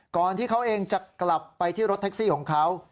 ก่อนที่เขาเองจะกลับไปที่รถแท็กซี่ของเขา